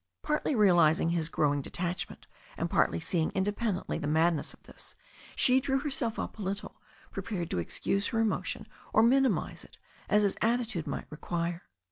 Partly realizing his growing detachment, and partly see ing independently the madness of this, she drew herself up a little, prepared to excuse her emotion or minimize it, as his attitude might require.